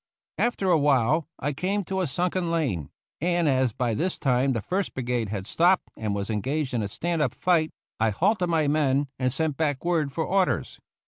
After awhile I came to a sunken lane, and as by this time the First Brigade had stopped and was engaged in a stand up fight, I halted my men and sent back word for orders.